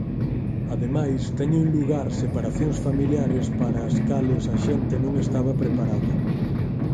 Ademais teñen lugar separacións familiares para as cales a xente non estaba preparada.